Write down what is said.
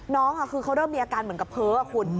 น้องคือเขาเริ่มมีอาการเหมือนกับเพ้อคุณ